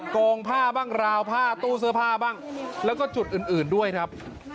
โกงผ้าบ้างราวผ้าตู้เสื้อผ้าบ้างแล้วก็จุดอื่นด้วยครับ